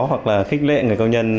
hoặc là khích lệ người công nhân